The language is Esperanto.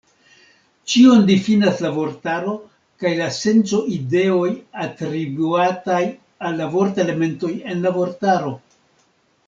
Ĉion difinas la vortaro kaj la senco-ideoj atribuataj al la vort-elementoj en la vortaro.